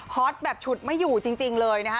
อตแบบฉุดไม่อยู่จริงเลยนะคะ